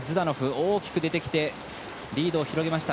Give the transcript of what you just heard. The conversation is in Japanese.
大きく出てきてリードを広げました。